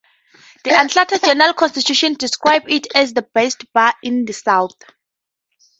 "The Atlanta Journal-Constitution" described it as the best bar in the South.